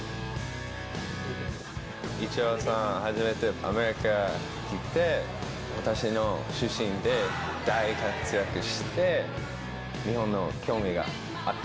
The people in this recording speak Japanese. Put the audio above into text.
イチローさん、初めてアメリカに来て、私の出身で大活躍して、日本に興味があった。